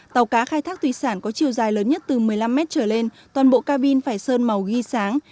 tàu cá khai thác thủy sản có chiều dài lớn nhất từ một mươi năm mét trở lên toàn bộ ca bin phải sơn màu ghi sáng